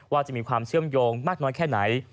จะมีความเชื่อมโยงมากน้อยแค่ไหน